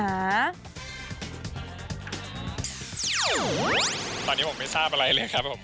ตอนนี้ผมไม่ทราบอะไรเลยครับผม